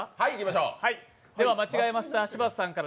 間違えました柴田さんから。